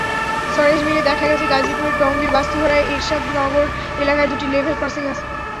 সরেজমিনে দেখা গেছে, গাজীপুরের টঙ্গীর বাস্তুহারা এরশাদনগর এলাকায় দুটি লেভেল ক্রসিং আছে।